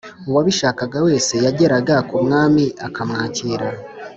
uwabishakaga wese yageraga ku mwami akamwakira.